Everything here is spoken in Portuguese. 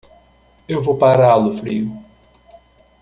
Eu vou pará-lo frio.